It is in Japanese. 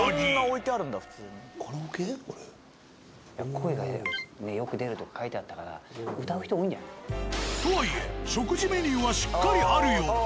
「声がよく出る」とか書いてあったから歌う人多いんじゃない？とはいえ食事メニューはしっかりあるようで。